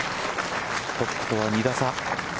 トップとは２打差。